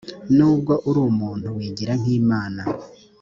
nubwo uri umuntu wigira nk’imana .